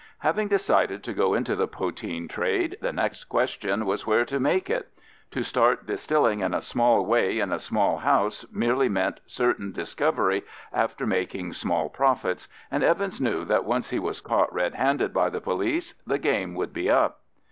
Having decided to go into the poteen trade, the next question was where to make it. To start distilling in a small way in a small house merely meant certain discovery after making small profits, and Evans knew that once he was caught red handed by the police the game would be up.